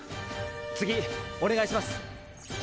次お願いします。